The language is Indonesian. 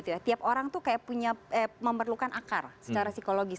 tiap orang itu kayak punya memerlukan akar secara psikologis